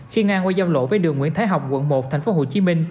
khi ngang qua giao lộ với đường nguyễn thái học quận một tp hcm